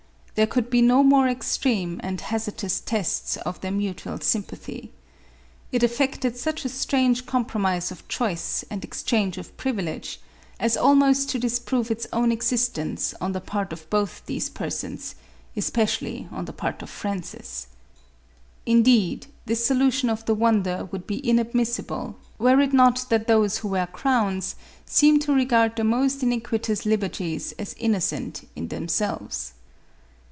There could be no more extreme and hazardous tests of their mu tual sympathy. It effected such a strange compromise of choice and exchange of privilege, as almost to dis prove its own existence on the part of both these per sons, especially on the part of Francis. Indeed, this solution of the wonder would be inadmissible, were it not that those who wear crowns seem to regard the most iniquitous liberties as innocent in themselves.